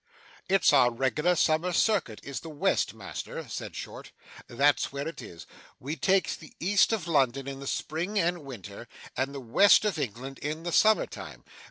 'It's our reg'lar summer circuit is the West, master,' said Short; 'that's where it is. We takes the East of London in the spring and winter, and the West of England in the summer time.